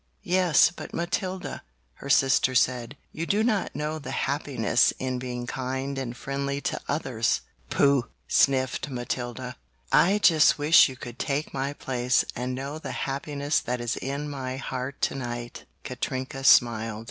"Yes, but Matilda," her sister said, "you do not know the happiness in being kind and friendly to others!" "Pooh!" sniffed Matilda. "I just wish you could take my place and know the happiness that is in my heart tonight," Katrinka smiled.